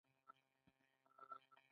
میلمه پالنه د افغانانو دود دی